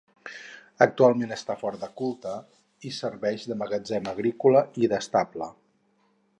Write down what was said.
Actualment està fora de culte, i serveix de magatzem agrícola i d'estable.